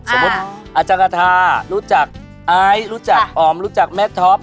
สมมุติอาจังกฐารู้จักอายรู้จักออมรู้จักแม่ท็อป